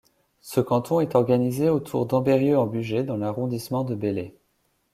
Ce canton est organisé autour d'Ambérieu-en-Bugey dans l'arrondissement de Belley.